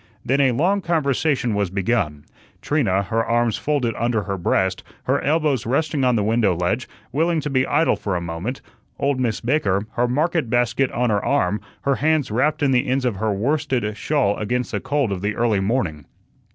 Then a long conversation was begun, Trina, her arms folded under her breast, her elbows resting on the window ledge, willing to be idle for a moment; old Miss Baker, her market basket on her arm, her hands wrapped in the ends of her worsted shawl against the cold of the early morning.